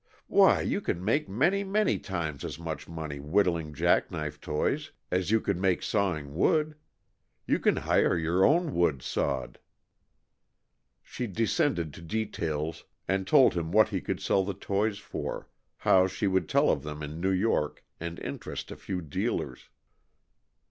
Why, you can make many, many times as much money whittling jack knife toys as you could make sawing wood! You can hire your own wood sawed." She descended to details and told him what he could sell the toys for; how she would tell of them in New York and interest a few dealers.